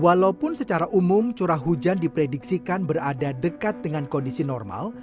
walaupun secara umum curah hujan diprediksikan berada dekat dengan kondisi normal